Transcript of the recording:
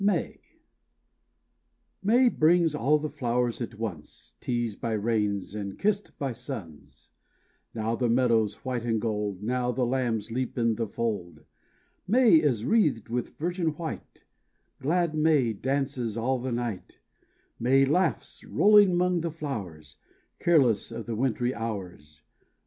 May brings all the flowers at once, Teased by rains and kissed by suns; Now the meadows white and gold; Now the lambs leap in the fold. May is wreathed with virgin white; Glad May dances all the night; May laughs, rolling 'mong the flowers, Careless of the wintry hours.